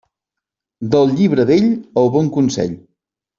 Del llibre vell, el bon consell.